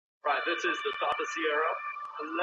په لاس لیکلنه د فکرونو ترمنځ تار غځوي.